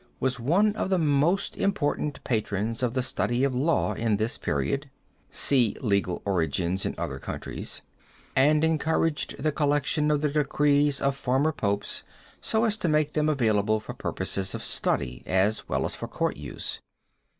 was one of the most important patrons of the study of law in this period (see Legal Origins in Other Countries), and encouraged the collection of the decrees of former Popes so as to make them available for purposes of study as well as for court use.